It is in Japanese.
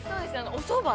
おそば？